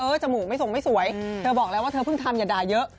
จมูกไม่ส่งไม่สวยเธอบอกแล้วว่าเธอเพิ่งทำอย่าด่าเยอะ